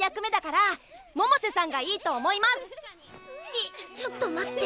えっちょっと待って。